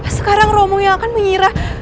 sekarang romo yang akan mengira